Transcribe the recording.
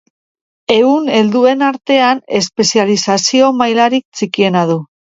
Ehun helduen artean espezializazio mailarik txikiena du.